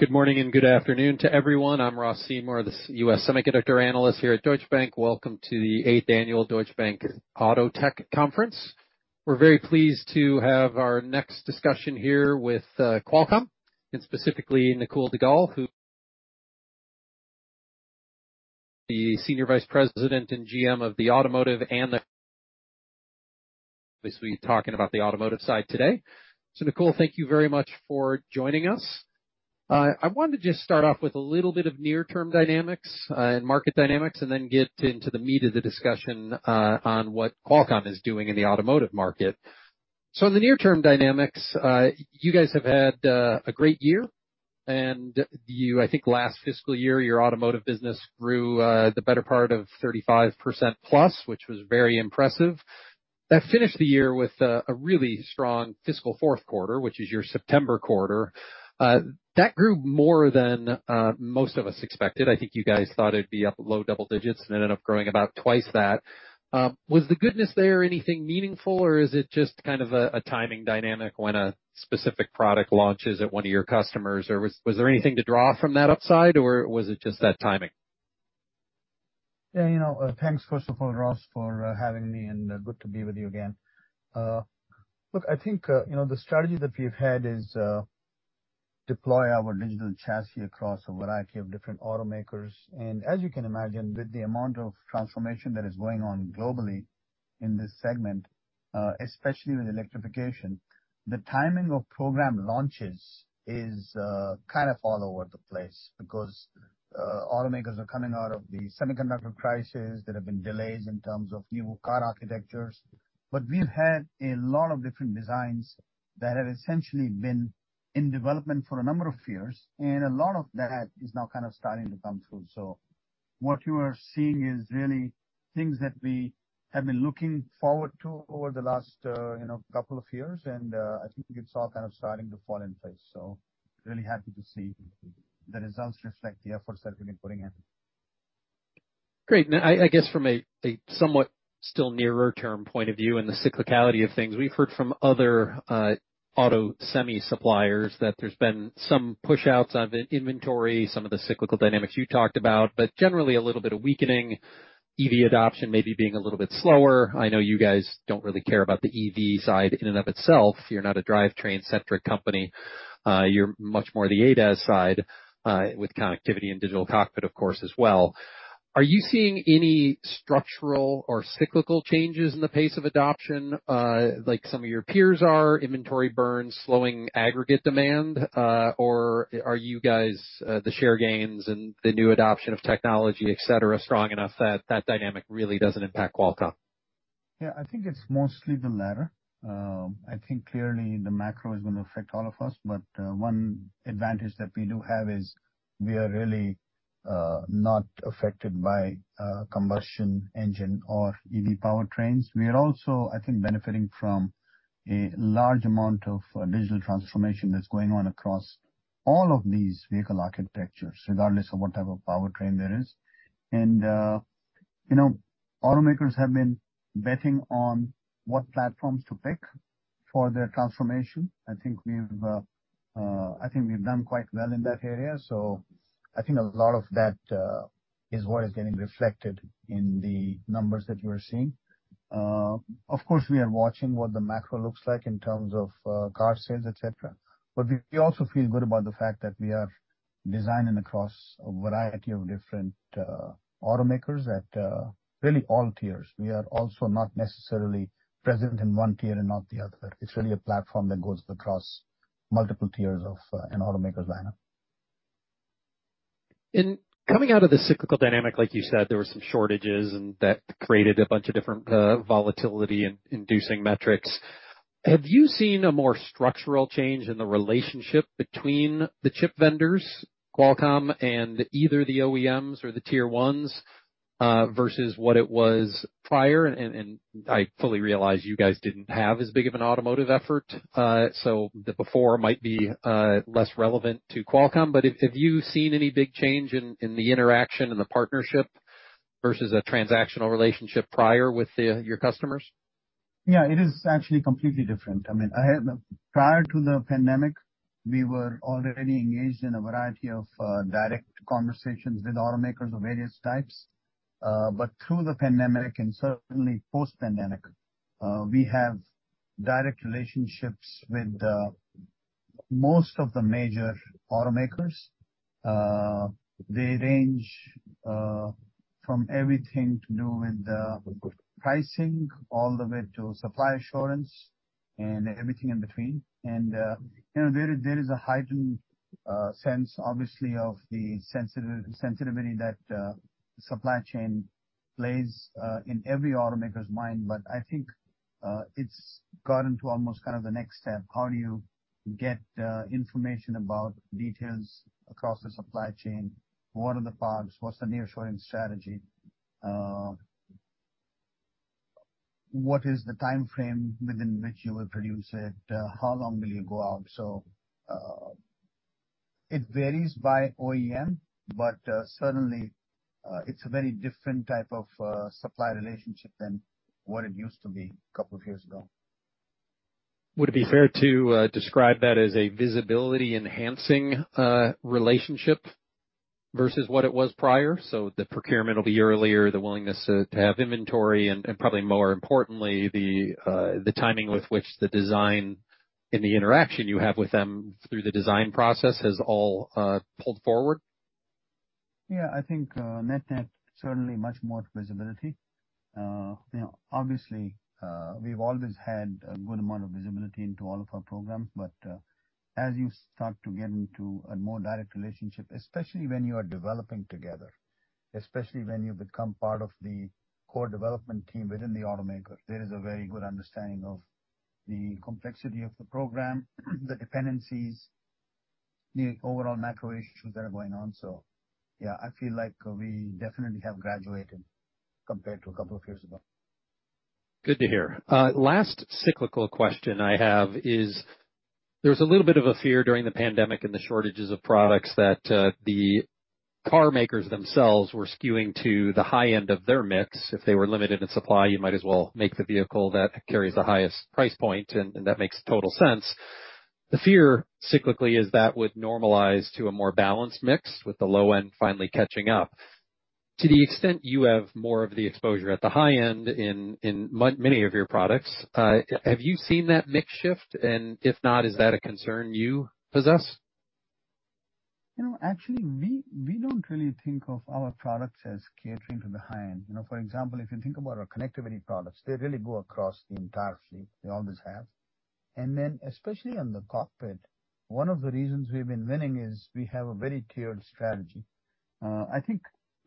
Good morning and good afternoon to everyone. I'm Ross Seymore, the U.S. semiconductor analyst here at Deutsche Bank. Welcome to the eighth annual Deutsche Bank AutoTech Conference. We're very pleased to have our next discussion here with, Qualcomm, and specifically Nakul Duggal, who the Senior Vice President and GM of the automotive and obviously talking about the automotive side today. So Nakul, thank you very much for joining us. I wanted to just start off with a little bit of near-term dynamics, and market dynamics, and then get into the meat of the discussion, on what Qualcomm is doing in the Automotive market. So in the near term dynamics, you guys have had a great year, and I think last fiscal year, your automotive business grew, the better part of 35%+, which was very impressive. That finished the year with a really strong fiscal fourth quarter, which is your September quarter. That grew more than most of us expected. I think you guys thought it'd be up low double digits, and ended up growing about twice that. Was the goodness there anything meaningful, or is it just kind of a timing dynamic when a specific product launches at one of your customers, or was there anything to draw from that upside, or was it just that timing? Yeah, you know, thanks, first of all, Ross, for having me, and good to be with you again. Look, I think, you know, the strategy that we've had is deploy our Digital Chassis across a variety of different automakers. And as you can imagine, with the amount of transformation that is going on globally in this segment, especially with electrification, the timing of program launches is kind of all over the place because automakers are coming out of the semiconductor crisis. There have been delays in terms of new car architectures, but we've had a lot of different designs that have essentially been in development for a number of years, and a lot of that is now kind of starting to come through. So what you are seeing is really things that we have been looking forward to over the last, you know, couple of years. And, I think it's all kind of starting to fall in place. So really happy to see the results reflect the efforts that we've been putting in. Great. Now, I guess from a somewhat still nearer term point of view and the cyclicality of things, we've heard from other auto semi suppliers that there's been some push outs on the inventory, some of the cyclical dynamics you talked about, but generally a little bit of weakening, EV adoption maybe being a little bit slower. I know you guys don't really care about the EV side in and of itself. You're not a drivetrain-centric company. You're much more the ADAS side, with connectivity and Digital Cockpit, of course, as well. Are you seeing any structural or cyclical changes in the pace of adoption, like some of your peers are, inventory burns, slowing aggregate demand? Or are you guys the share gains and the new adoption of technology, et cetera, strong enough that that dynamic really doesn't impact Qualcomm? Yeah, I think it's mostly the latter. I think clearly the macro is gonna affect all of us, but one advantage that we do have is we are really not affected by combustion engine or EV powertrains. We are also, I think, benefiting from a large amount of digital transformation that's going on across all of these vehicle architectures, regardless of what type of powertrain there is. And you know, automakers have been betting on what platforms to pick for their transformation. I think we've done quite well in that area. So I think a lot of that is what is getting reflected in the numbers that you are seeing. Of course, we are watching what the macro looks like in terms of car sales, et cetera, but we also feel good about the fact that we are designing across a variety of different automakers at really all tiers. We are also not necessarily present in one tier and not the other. It's really a platform that goes across multiple tiers of an automaker's lineup. In coming out of the cyclical dynamic, like you said, there were some shortages and that created a bunch of different volatility and industry metrics. Have you seen a more structural change in the relationship between the chip vendors, Qualcomm and either the OEMs or the Tier 1s, versus what it was prior? And I fully realize you guys didn't have as big of an automotive effort, so the before might be less relevant to Qualcomm. But have you seen any big change in the interaction and the partnership versus a transactional relationship prior with your customers? Yeah, it is actually completely different. I mean, prior to the pandemic, we were already engaged in a variety of direct conversations with automakers of various types. But through the pandemic and certainly post-pandemic, we have direct relationships with most of the major automakers. They range from everything to do with pricing all the way to supply assurance and everything in between. And, you know, there is a heightened sense, obviously, of the sensitivity that supply chain plays in every automaker's mind, but I think it's gotten to almost kind of the next step. How do you get information about details across the supply chain? What are the parts? What's the near-shoring strategy? What is the timeframe within which you will produce it? How long will you go out? So, it varies by OEM, but certainly, it's a very different type of supply relationship than what it used to be a couple of years ago.... Would it be fair to, describe that as a visibility-enhancing, relationship versus what it was prior? So the procurement will be earlier, the willingness to, to have inventory and, and probably more importantly, the, the timing with which the design and the interaction you have with them through the design process has all, pulled forward? Yeah, I think, net-net, certainly much more visibility. You know, obviously, we've always had a good amount of visibility into all of our programs, but, as you start to get into a more direct relationship, especially when you are developing together, especially when you become part of the core development team within the automaker, there is a very good understanding of the complexity of the program, the dependencies, the overall macro issues that are going on. So yeah, I feel like we definitely have graduated compared to a couple of years ago. Good to hear. Last cyclical question I have is: there was a little bit of a fear during the pandemic and the shortages of products that the car makers themselves were skewing to the high end of their mix. If they were limited in supply, you might as well make the vehicle that carries the highest price point, and that makes total sense. The fear, cyclically, is that would normalize to a more balanced mix, with the low end finally catching up. To the extent you have more of the exposure at the high end in many of your products, have you seen that mix shift? And if not, is that a concern you possess? You know, actually, we don't really think of our products as catering to the high end. You know, for example, if you think about our connectivity products, they really go across the entire suite. They always have. And then, especially on the cockpit, one of the reasons we've been winning is we have a very tiered strategy. I think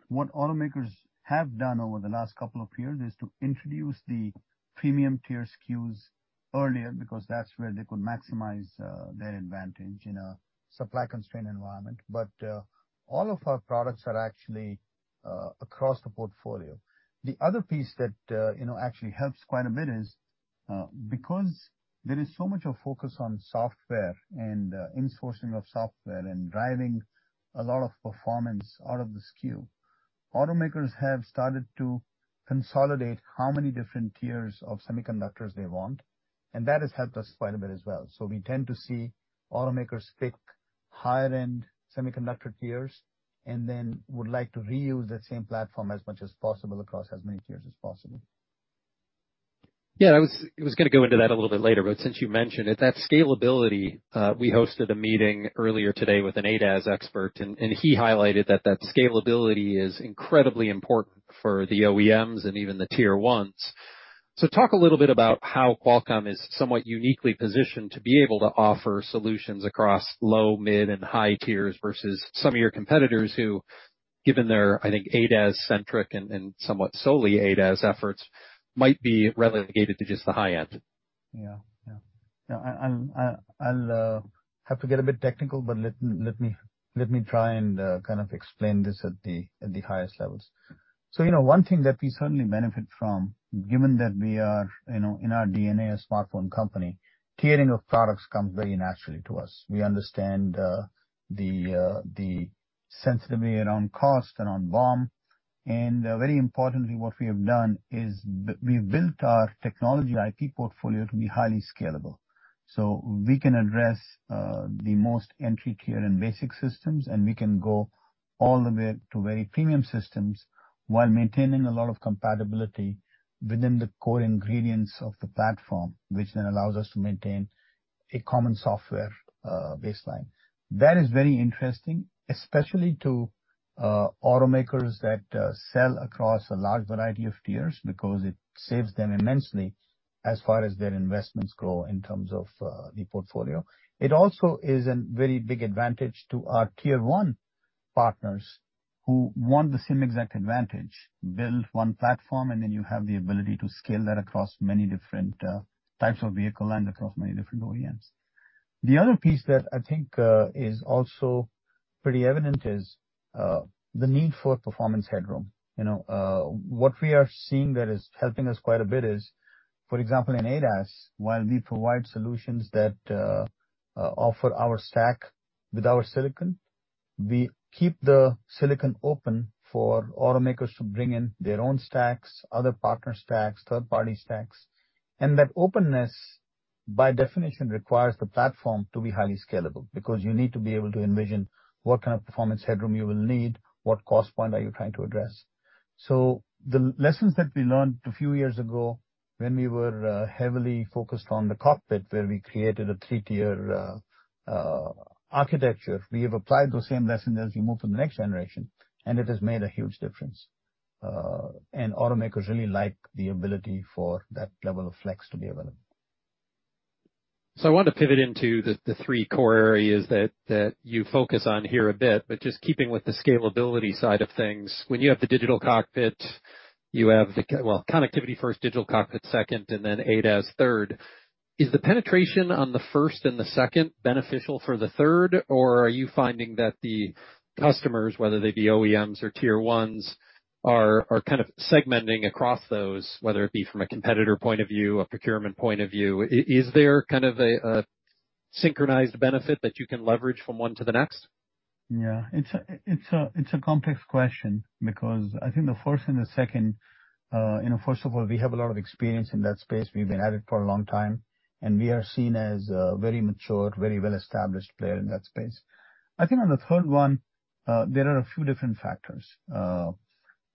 what automakers have done over the last couple of years is to introduce the premium tier SKUs earlier, because that's where they could maximize their advantage in a supply-constrained environment. But all of our products are actually across the portfolio. The other piece that, you know, actually helps quite a bit is, because there is so much of focus on software and, in-sourcing of software and driving a lot of performance out of the SKU, automakers have started to consolidate how many different tiers of semiconductors they want, and that has helped us quite a bit as well. We tend to see automakers pick higher end semiconductor tiers, and then would like to reuse that same platform as much as possible across as many tiers as possible. Yeah, I was gonna go into that a little bit later, but since you mentioned it, that scalability, we hosted a meeting earlier today with an ADAS expert, and he highlighted that that scalability is incredibly important for the OEMs and even the tier ones. So talk a little bit about how Qualcomm is somewhat uniquely positioned to be able to offer solutions across low, mid, and high tiers versus some of your competitors who, given their, I think, ADAS-centric and somewhat solely ADAS efforts, might be relegated to just the high end. Yeah. Yeah. Now I'm, I'll have to get a bit technical, but let me try and kind of explain this at the highest levels. So, you know, one thing that we certainly benefit from, given that we are, you know, in our DNA, a smartphone company, tiering of products comes very naturally to us. We understand the sensitivity around cost and on BOM. And very importantly, what we have done is we've built our technology IP portfolio to be highly scalable. So we can address the most entry tier and basic systems, and we can go all the way to very premium systems, while maintaining a lot of compatibility within the core ingredients of the platform, which then allows us to maintain a common software baseline. That is very interesting, especially to automakers that sell across a large variety of tiers, because it saves them immensely as far as their investments go in terms of the portfolio. It also is a very big advantage to our Tier 1 partners, who want the same exact advantage: build one platform, and then you have the ability to scale that across many different types of vehicle and across many different OEMs. The other piece that I think is also pretty evident is the need for performance headroom. You know, what we are seeing that is helping us quite a bit is, for example, in ADAS, while we provide solutions that offer our stack with our silicon, we keep the silicon open for automakers to bring in their own stacks, other partner stacks, third-party stacks. That openness, by definition, requires the platform to be highly scalable, because you need to be able to envision what kind of performance headroom you will need, what cost point are you trying to address? The lessons that we learned a few years ago when we were heavily focused on the cockpit, where we created a 3-tier architecture, we have applied those same lessons as we move to the next generation, and it has made a huge difference. And automakers really like the ability for that level of flex to be available. So I want to pivot into the three core areas that you focus on here a bit, but just keeping with the scalability side of things, when you have the Digital Cockpit, you have connectivity first, Digital Cockpit second, and then ADAS third. Is the penetration on the first and the second beneficial for the third? Or are you finding that the customers, whether they be OEMs or Tier 1s, are kind of segmenting across those, whether it be from a competitor point of view, a procurement point of view, is there kind of a synchronized benefit that you can leverage from one to the next? Yeah. It's a complex question, because I think the first and the second, you know, first of all, we have a lot of experience in that space. We've been at it for a long time, and we are seen as a very mature, very well-established player in that space. I think on the third one, there are a few different factors.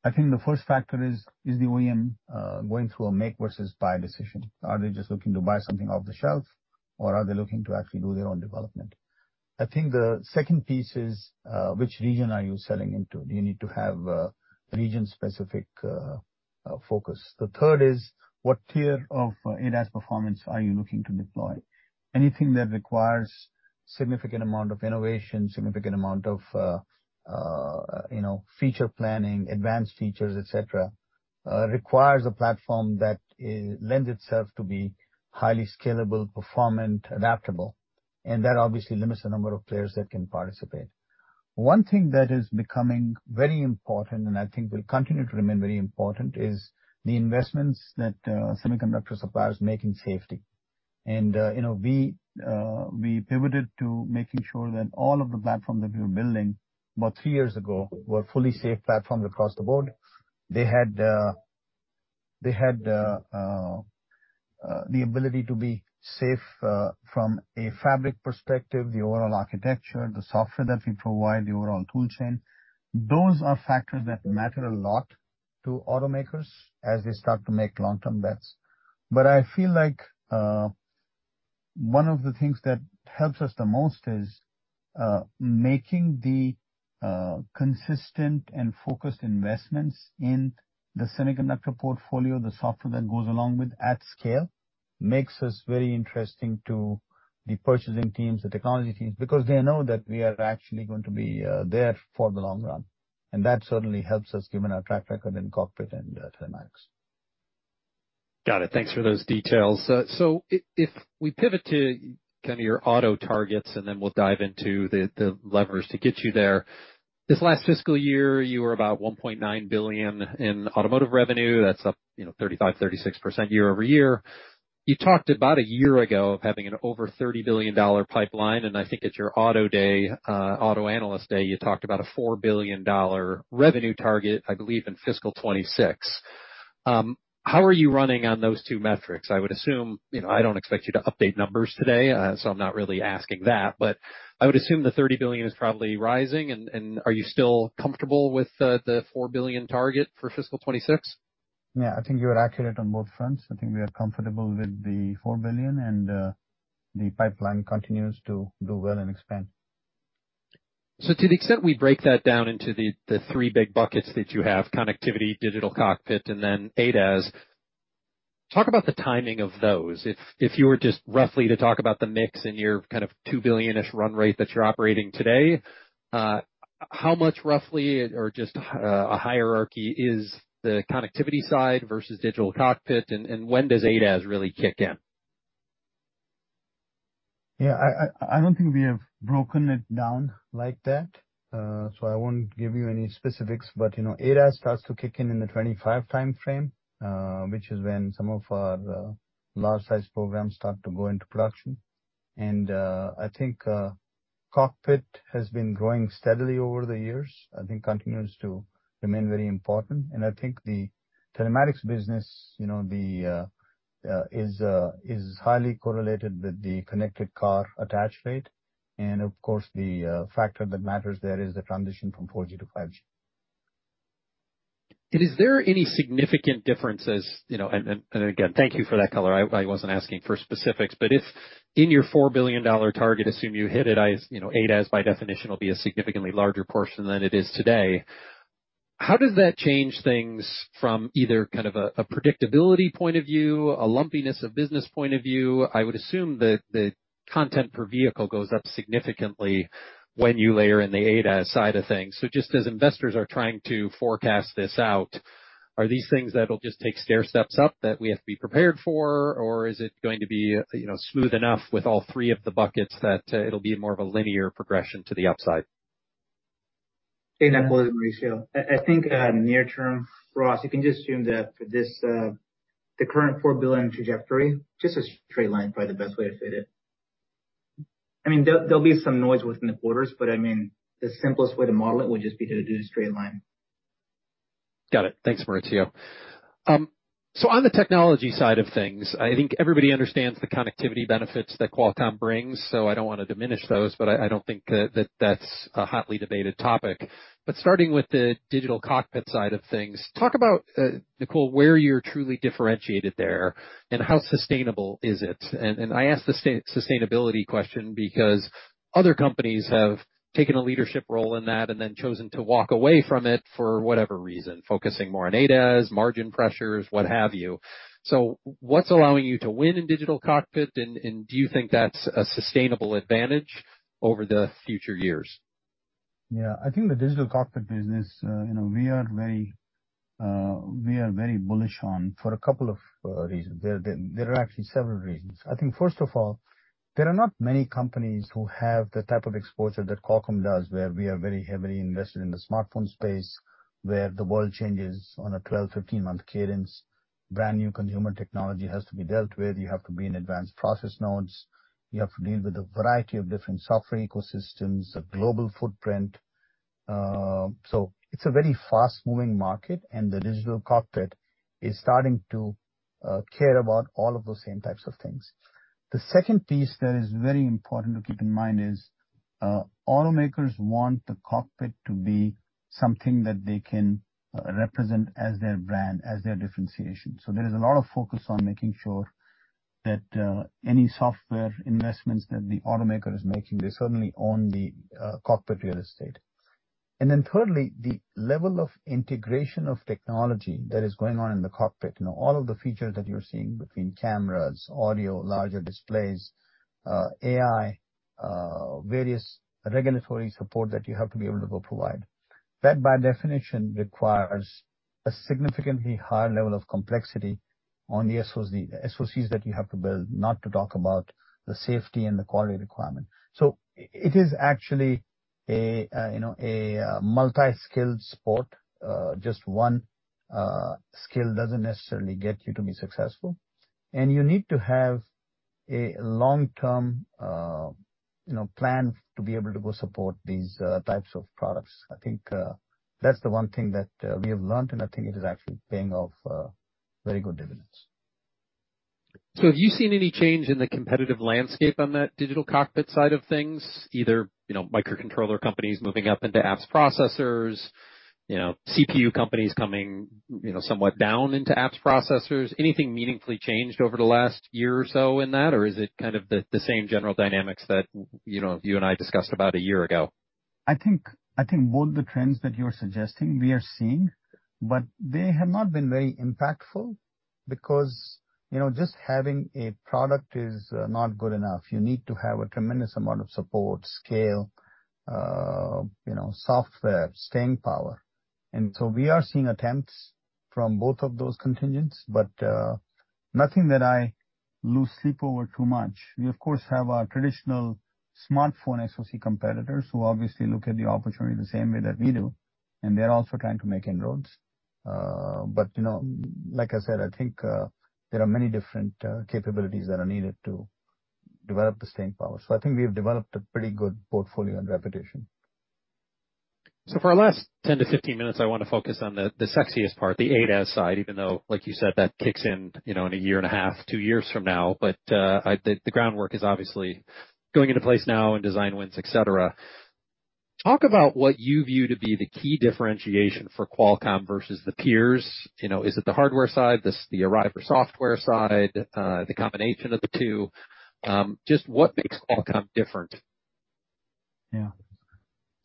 I think the first factor is the OEM going through a make versus buy decision. Are they just looking to buy something off the shelf, or are they looking to actually do their own development? I think the second piece is which region are you selling into? Do you need to have region-specific focus? The third is, what tier of ADAS performance are you looking to deploy? Anything that requires significant amount of innovation, you know, feature planning, advanced features, et cetera, requires a platform that lends itself to be highly scalable, performant, adaptable, and that obviously limits the number of players that can participate. One thing that is becoming very important, and I think will continue to remain very important, is the investments that semiconductor suppliers make in safety. You know, we pivoted to making sure that all of the platforms that we were building about three years ago were fully safe platforms across the board. They had the ability to be safe from a fabric perspective, the overall architecture, the software that we provide, the overall tool chain. Those are factors that matter a lot to automakers as they start to make long-term bets. But I feel like, one of the things that helps us the most is, making the, consistent and focused investments in the semiconductor portfolio, the software that goes along with at scale, makes us very interesting to the purchasing teams, the technology teams, because they know that we are actually going to be, there for the long run. And that certainly helps us, given our track record in cockpit and, telematics. Got it. Thanks for those details. So if we pivot to kind of your auto targets, and then we'll dive into the, the levers to get you there. This last fiscal year, you were about $1.9 billion in Automotive Revenue. That's up, you know, 35%-36% year-over-year. You talked about a year ago of having an over $30 billion pipeline, and I think at your Auto Day, Auto Analyst Day, you talked about a $4 billion revenue target, I believe, in fiscal 2026. How are you running on those two metrics? I would assume, you know, I don't expect you to update numbers today, so I'm not really asking that, but I would assume the $30 billion is probably rising. And are you still comfortable with the $4 billion target for fiscal 2026? Yeah, I think you are accurate on both fronts. I think we are comfortable with the $4 billion, and the pipeline continues to do well and expand. So to the extent we break that down into the three big buckets that you have, connectivity, Digital Cockpit, and then ADAS, talk about the timing of those. If you were just roughly to talk about the mix in your kind of $2 billion-ish run rate that you're operating today, how much, roughly, or just a hierarchy, is the connectivity side versus Digital Cockpit, and when does ADAS really kick in? Yeah, I don't think we have broken it down like that, so I won't give you any specifics, but, you know, ADAS starts to kick in in the 2025 timeframe, which is when some of our large-sized programs start to go into production. And I think cockpit has been growing steadily over the years. I think continues to remain very important. And I think the telematics business, you know, is highly correlated with the connected car attach rate. And, of course, the factor that matters there is the transition from 4G to 5G. And is there any significant differences, you know? And again, thank you for that color. I wasn't asking for specifics, but if in your $4 billion target, assume you hit it, you know, ADAS, by definition, will be a significantly larger portion than it is today. How does that change things from either kind of a predictability point of view, a lumpiness of business point of view? I would assume that the content per vehicle goes up significantly when you layer in the ADAS side of things. So just as investors are trying to forecast this out, are these things that'll just take stair steps up that we have to be prepared for? Or is it going to be, you know, smooth enough with all three of the buckets that it'll be more of a linear progression to the upside? In that ratio. I think, near term, Ross, you can just assume that this, the current $4 billion trajectory, just a straight line, probably the best way to say it. I mean, there'll be some noise within the quarters, but, I mean, the simplest way to model it would just be to do the straight line. Got it. Thanks, Mauricio. So on the technology side of things, I think everybody understands the connectivity benefits that Qualcomm brings, so I don't want to diminish those, but I, I don't think that, that that's a hotly debated topic. But starting with the Digital Cockpit side of things, talk about, Nakul, where you're truly differentiated there, and how sustainable is it? And, and I ask the sustainability question because other companies have taken a leadership role in that and then chosen to walk away from it for whatever reason, focusing more on ADAS, margin pressures, what have you. So what's allowing you to win in Digital Cockpit, and, and do you think that's a sustainable advantage over the future years? Yeah. I think the Digital Cockpit business, you know, we are very, we are very bullish on for a couple of reasons. There are actually several reasons. I think, first of all, there are not many companies who have the type of exposure that Qualcomm does, where we are very heavily invested in the smartphone space, where the world changes on a 12-15-month cadence. Brand-new consumer technology has to be dealt with. You have to be in advanced process nodes. You have to deal with a variety of different software ecosystems, a global footprint.... So it's a very fast-moving market, and the Digital Cockpit is starting to care about all of the same types of things. The second piece that is very important to keep in mind is, automakers want the cockpit to be something that they can represent as their brand, as their differentiation. So there is a lot of focus on making sure that any software investments that the automaker is making, they certainly own the cockpit real estate. And then thirdly, the level of integration of technology that is going on in the cockpit, you know, all of the features that you're seeing between cameras, audio, larger displays, AI, various regulatory support that you have to be able to go provide. That, by definition, requires a significantly higher level of complexity on the SoC, the SoCs that you have to build, not to talk about the safety and the quality requirement. So it is actually a, you know, a multi-skilled sport. Just one skill doesn't necessarily get you to be successful, and you need to have a long-term, you know, plan to be able to go support these types of products. I think that's the one thing that we have learned, and I think it is actually paying off very good dividends. Have you seen any change in the competitive landscape on that Digital Cockpit side of things, either, you know, microcontroller companies moving up into apps processors, you know, CPU companies coming, you know, somewhat down into apps processors? Anything meaningfully changed over the last year or so in that, or is it kind of the same general dynamics that, you know, you and I discussed about a year ago? I think both the trends that you're suggesting we are seeing, but they have not been very impactful because, you know, just having a product is not good enough. You need to have a tremendous amount of support, scale, you know, software, staying power. And so we are seeing attempts from both of those contingents, but nothing that I lose sleep over too much. We, of course, have our traditional smartphone SoC competitors, who obviously look at the opportunity the same way that we do, and they're also trying to make inroads. But, you know, like I said, I think there are many different capabilities that are needed to develop the staying power. So I think we've developed a pretty good portfolio and reputation. So for our last 10-15 minutes, I wanna focus on the sexiest part, the ADAS side, even though, like you said, that kicks in, you know, in a year and a half, two years from now. But the groundwork is obviously going into place now and design wins, et cetera. Talk about what you view to be the key differentiation for Qualcomm versus the peers. You know, is it the hardware side, the Arriver software side, the combination of the two? Just what makes Qualcomm different? Yeah.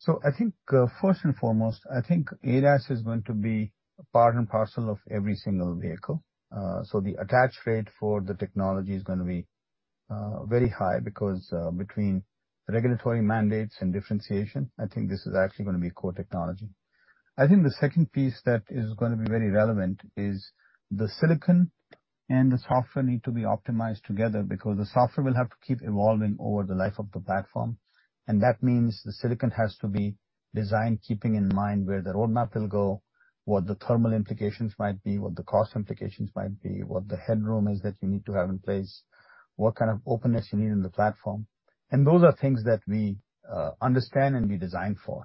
So I think, first and foremost, I think ADAS is going to be part and parcel of every single vehicle. So the attach rate for the technology is gonna be very high because, between regulatory mandates and differentiation, I think this is actually gonna be a core technology. I think the second piece that is gonna be very relevant is the silicon and the software need to be optimized together, because the software will have to keep evolving over the life of the platform, and that means the silicon has to be designed, keeping in mind where the roadmap will go, what the thermal implications might be, what the cost implications might be, what the headroom is that you need to have in place, what kind of openness you need in the platform. And those are things that we understand and we design for.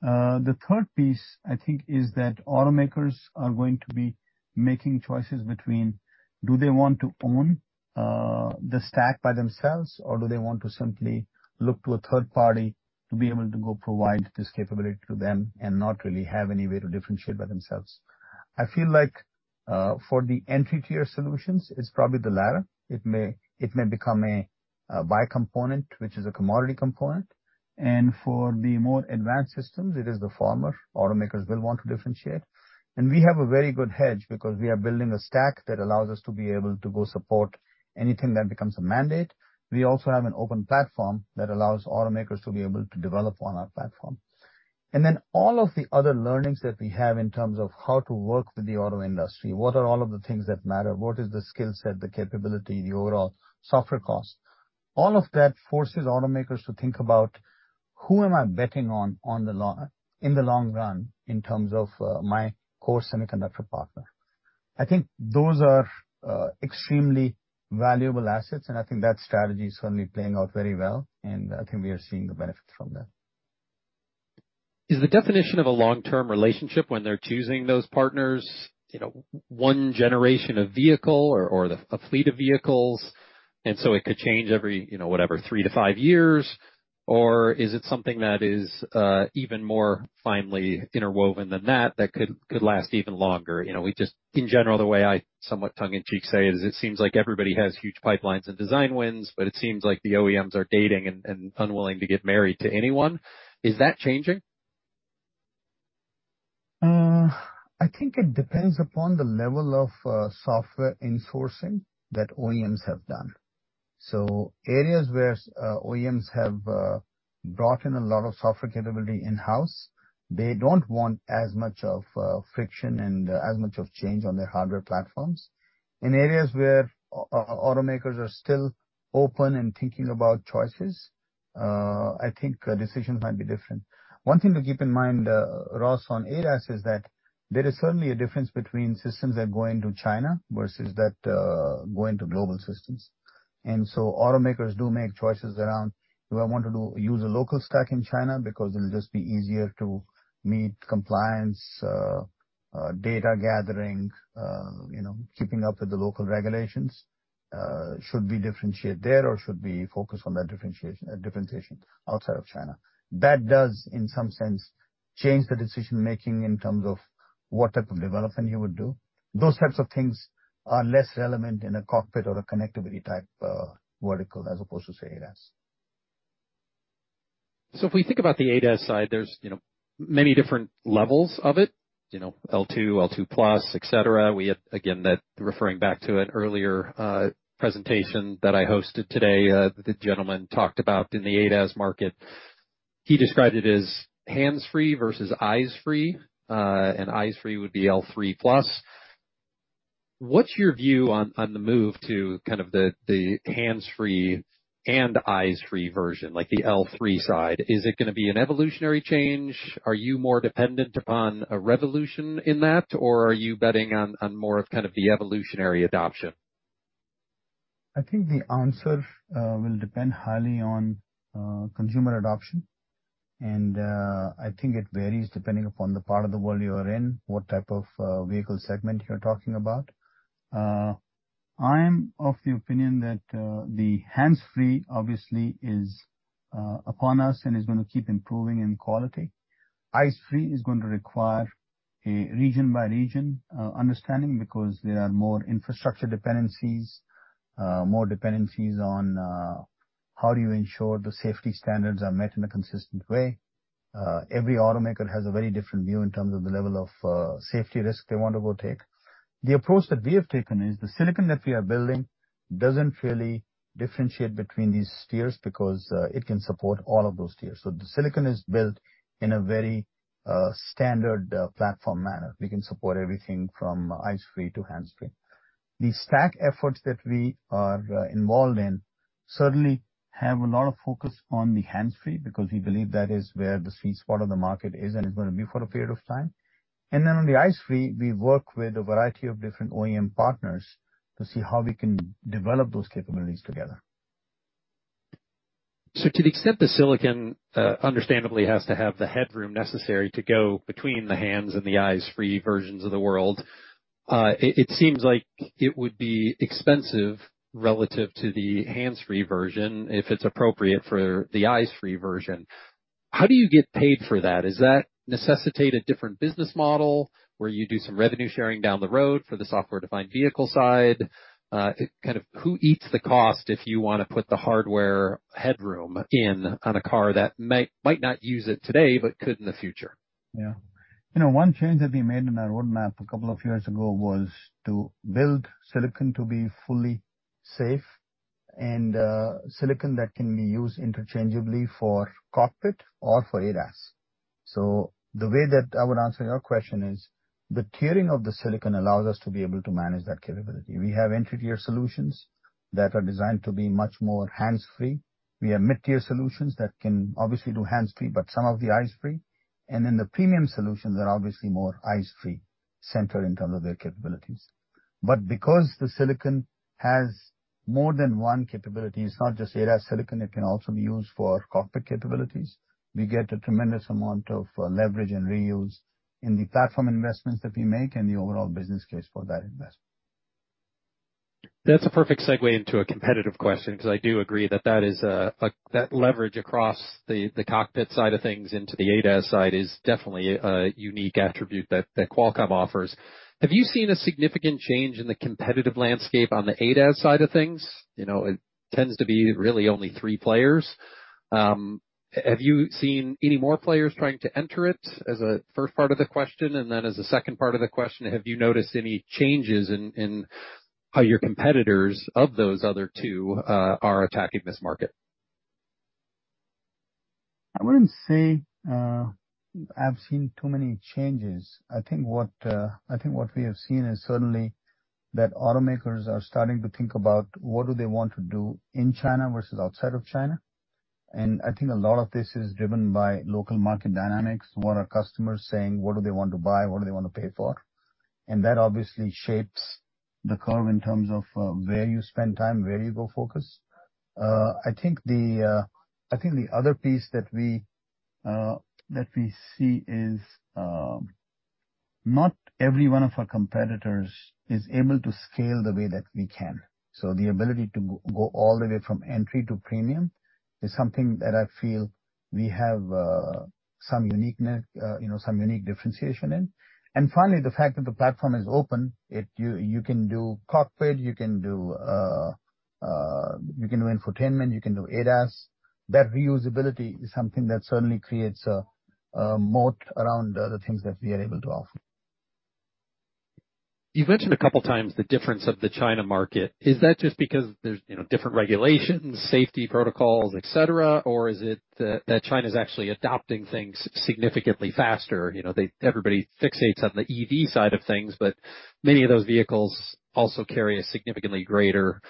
The third piece, I think, is that automakers are going to be making choices between do they want to own the stack by themselves, or do they want to simply look to a third party to be able to go provide this capability to them and not really have any way to differentiate by themselves? I feel like, for the entry-tier solutions, it's probably the latter. It may, it may become a buy component, which is a commodity component, and for the more advanced systems, it is the former. Automakers will want to differentiate. And we have a very good hedge because we are building a stack that allows us to be able to go support anything that becomes a mandate. We also have an open platform that allows automakers to be able to develop on our platform. And then all of the other learnings that we have in terms of how to work with the auto industry, what are all of the things that matter? What is the skill set, the capability, the overall software cost? All of that forces automakers to think about: Who am I betting on, in the long run, in terms of, my core semiconductor partner? I think those are, extremely valuable assets, and I think that strategy is certainly playing out very well, and I think we are seeing the benefits from that. Is the definition of a long-term relationship when they're choosing those partners, you know, one generation of vehicle or, or the, a fleet of vehicles, and so it could change every, you know, whatever, three to five years? Or is it something that is even more finely interwoven than that, that could, could last even longer? You know, we just... In general, the way I somewhat tongue in cheek say it is, it seems like everybody has huge pipelines and design wins, but it seems like the OEMs are dating and, and unwilling to get married to anyone. Is that changing? I think it depends upon the level of software in-sourcing that OEMs have done. So areas where OEMs have brought in a lot of software capability in-house, they don't want as much of friction and as much of change on their hardware platforms. In areas where automakers are still open and thinking about choices, I think decisions might be different. One thing to keep in mind, Ross, on ADAS, is that there is certainly a difference between systems that go into China versus that go into global systems. And so automakers do make choices around, do I want to use a local stack in China because it'll just be easier to meet compliance, data gathering, you know, keeping up with the local regulations, should we differentiate there or should we focus on that differentiation, differentiation outside of China? That does, in some sense, change the decision-making in terms of what type of development you would do. Those types of things are less relevant in a cockpit or a connectivity type vertical, as opposed to, say, ADAS. So if we think about the ADAS side, there's, you know, many different levels of it, you know, L2, L2+, et cetera. We have, again, that referring back to an earlier presentation that I hosted today, the gentleman talked about in the ADAS market. He described it as hands-free versus eyes-free, and eyes-free would be L3+. What's your view on, on the move to kind of the, the hands-free and eyes-free version, like the L3 side? Is it gonna be an evolutionary change? Are you more dependent upon a revolution in that, or are you betting on, on more of kind of the evolutionary adoption? I think the answer will depend highly on consumer adoption. I think it varies depending upon the part of the world you are in, what type of vehicle segment you're talking about. I'm of the opinion that the hands-free obviously is upon us and is gonna keep improving in quality. Eyes-free is going to require a region-by-region understanding because there are more infrastructure dependencies, more dependencies on how do you ensure the safety standards are met in a consistent way. Every automaker has a very different view in terms of the level of safety risk they want to go take. The approach that we have taken is the silicon that we are building doesn't really differentiate between these tiers, because it can support all of those tiers. So the silicon is built in a very standard platform manner. We can support everything from eyes-free to hands-free. The stack efforts that we are involved in certainly have a lot of focus on the hands-free, because we believe that is where the sweet spot of the market is and is gonna be for a period of time. And then on the eyes-free, we work with a variety of different OEM partners to see how we can develop those capabilities together. So to the extent the silicon, understandably, has to have the headroom necessary to go between the hands- and the eyes-free versions of the world, it, it seems like it would be expensive relative to the hands-free version, if it's appropriate for the eyes-free version. How do you get paid for that? Does that necessitate a different business model, where you do some revenue sharing down the road for the software-defined vehicle side? Kind of who eats the cost if you wanna put the hardware headroom in on a car that might, might not use it today, but could in the future? Yeah. You know, one change that we made in our roadmap a couple of years ago was to build silicon to be fully safe and silicon that can be used interchangeably for cockpit or for ADAS. So the way that I would answer your question is, the tiering of the silicon allows us to be able to manage that capability. We have entry-tier solutions that are designed to be much more hands-free. We have mid-tier solutions that can obviously do hands-free, but some of the eyes-free. And then the premium solutions are obviously more eyes-free-centered in terms of their capabilities. But because the silicon has more than one capability, it's not just ADAS silicon, it can also be used for cockpit capabilities, we get a tremendous amount of leverage and reuse in the platform investments that we make and the overall business case for that investment. That's a perfect segue into a competitive question, because I do agree that that is, That leverage across the, the cockpit side of things into the ADAS side is definitely a, a unique attribute that, that Qualcomm offers. Have you seen a significant change in the competitive landscape on the ADAS side of things? You know, it tends to be really only three players. Have you seen any more players trying to enter it? As a first part of the question, and then as a second part of the question, have you noticed any changes in, in how your competitors of those other two are attacking this market? I wouldn't say I've seen too many changes. I think what we have seen is certainly that automakers are starting to think about what do they want to do in China versus outside of China. And I think a lot of this is driven by local market dynamics, what are customers saying, what do they want to buy, what do they want to pay for? And that obviously shapes the curve in terms of where you spend time, where you go focus. I think the other piece that we see is not every one of our competitors is able to scale the way that we can. So the ability to go all the way from entry to premium is something that I feel we have some uniqueness, you know, some unique differentiation in. And finally, the fact that the platform is open, it you can do Cockpit, you can do infotainment, you can do ADAS. That reusability is something that certainly creates a moat around the other things that we are able to offer. You've mentioned a couple of times the difference of the China market. Is that just because there's, you know, different regulations, safety protocols, et cetera? Or is it that, that China's actually adopting things significantly faster? You know, they... Everybody fixates on the EV side of things, but many of those vehicles also carry a significantly greater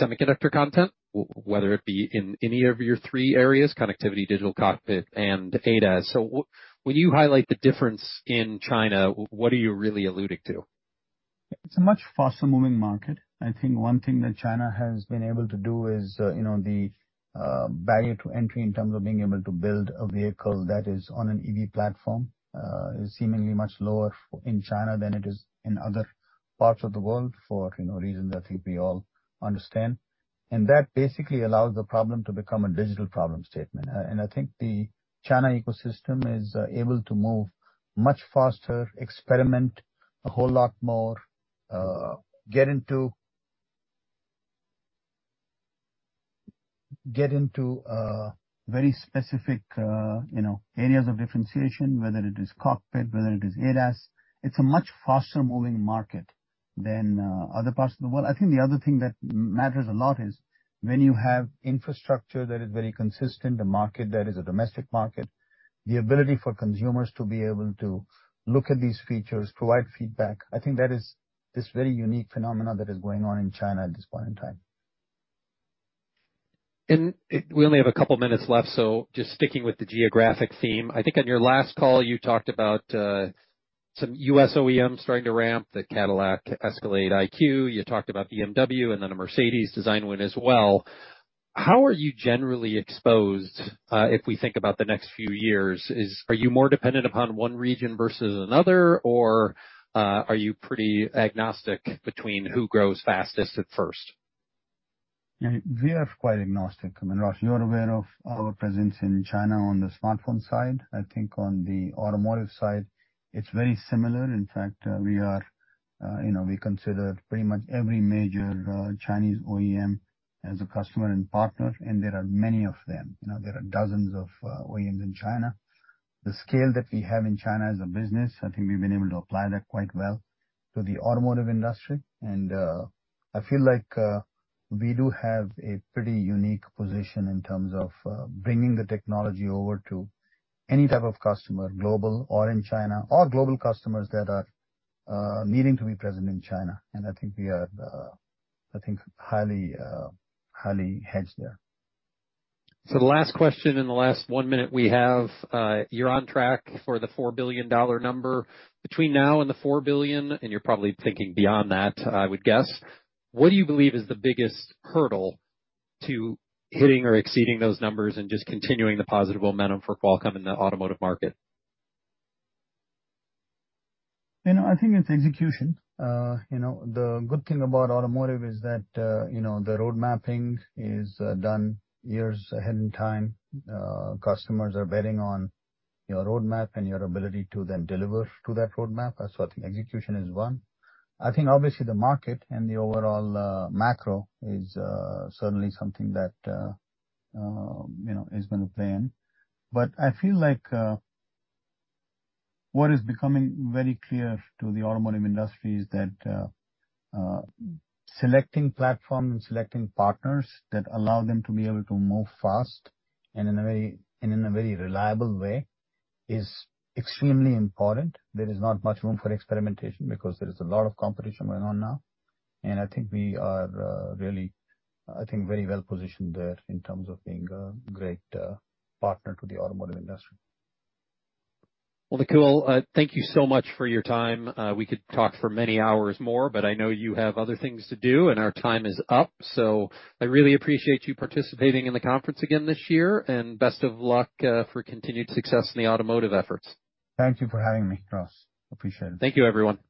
semiconductor content, whether it be in any of your three areas, connectivity, Digital Cockpit, and ADAS. So when you highlight the difference in China, what are you really alluding to? It's a much faster moving market. I think one thing that China has been able to do is, you know, the barrier to entry in terms of being able to build a vehicle that is on an EV platform, is seemingly much lower in China than it is in other parts of the world, for, you know, reasons I think we all understand. And that basically allows the problem to become a digital problem statement. And I think the China ecosystem is able to move much faster, experiment a whole lot more, get into very specific, you know, areas of differentiation, whether it is cockpit, whether it is ADAS. It's a much faster moving market than other parts of the world. I think the other thing that matters a lot is when you have infrastructure that is very consistent, a market that is a domestic market, the ability for consumers to be able to look at these features, provide feedback. I think that is this very unique phenomenon that is going on in China at this point in time. We only have a couple minutes left, so just sticking with the geographic theme. I think on your last call, you talked about some U.S. OEMs starting to ramp, the Cadillac Escalade IQ. You talked about BMW and then a Mercedes design win as well. How are you generally exposed, if we think about the next few years? Are you more dependent upon one region versus another, or, are you pretty agnostic between who grows fastest at first? Yeah, we are quite agnostic. I mean, Ross, you are aware of our presence in China on the smartphone side. I think on the automotive side, it's very similar. In fact, we are, you know, we consider pretty much every major Chinese OEM as a customer and partner, and there are many of them. You know, there are dozens of OEMs in China. The scale that we have in China as a business, I think we've been able to apply that quite well to the automotive industry, and I feel like we do have a pretty unique position in terms of bringing the technology over to any type of customer, global or in China, or global customers that are needing to be present in China. And I think we are, I think, highly highly hedged there. The last question in the last one minute we have, you're on track for the $4 billion number. Between now and the $4 billion, and you're probably thinking beyond that, I would guess, what do you believe is the biggest hurdle to hitting or exceeding those numbers and just continuing the positive momentum for Qualcomm in the automotive market? You know, I think it's execution. You know, the good thing about automotive is that, you know, the road mapping is done years ahead in time. Customers are betting on your roadmap and your ability to then deliver to that roadmap. That's why I think execution is one. I think obviously, the market and the overall macro is certainly something that, you know, is going to play in. But I feel like, what is becoming very clear to the automotive industry is that, selecting platforms and selecting partners that allow them to be able to move fast and in a very reliable way, is extremely important. There is not much room for experimentation because there is a lot of competition going on now, and I think we are really, I think, very well positioned there in terms of being a great partner to the automotive industry. Well, Nakul, thank you so much for your time. We could talk for many hours more, but I know you have other things to do, and our time is up. I really appreciate you participating in the conference again this year, and best of luck for continued success in the automotive efforts. Thank you for having me, Ross. Appreciate it. Thank you, everyone.